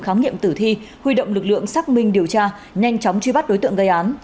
khám nghiệm tử thi huy động lực lượng xác minh điều tra nhanh chóng truy bắt đối tượng gây án